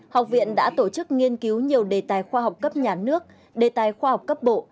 học viện đã tổ chức nghiên cứu nhiều đề tài khoa học cấp nhà nước đề tài khoa học cấp bộ